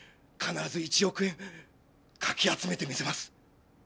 必ず１億円かき集めてみせます。